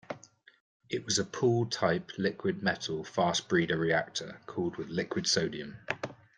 It was a pool-type liquid-metal fast breeder reactor cooled with liquid sodium.